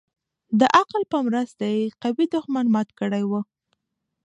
د عقل په مرسته يې قوي دښمن مات كړى و.